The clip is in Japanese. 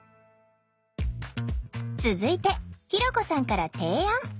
続いてひろこさんから提案。